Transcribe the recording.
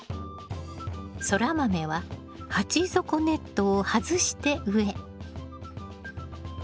ソラマメは鉢底ネットを外して植え。